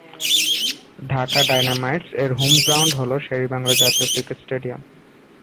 ঢাকা ডায়নামাইটস-এর home ground হল শের-ই-বাংলা জাতীয় ক্রিকেট স্টেডিয়াম।